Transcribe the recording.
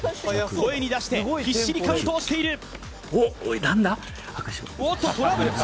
声に出して必死にカウントをしているおっとトラブルか？